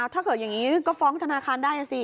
ถ้าเกิดอย่างนี้ก็ฟ้องธนาคารได้นะสิ